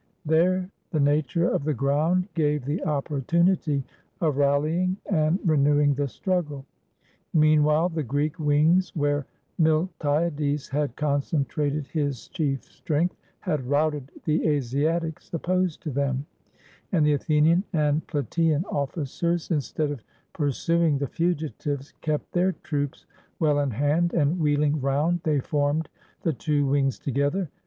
There the nature of the ground gave the opportunity of rallying and re newing the struggle. Meanwhile, the Greek wings, where Miltiades had concentrated his chief strength, had routed the Asiatics opposed to them; and the Athenian and Plataean officers, instead of pursuing the fugitives, kept their troops well in hand, and, wheeling round, they formed the two wings together.